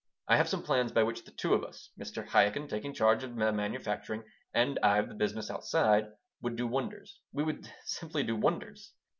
I have some plans by which the two of us Mr. Chaikin taking charge of the manufacturing and I of the business outside would do wonders. We would simply do wonders.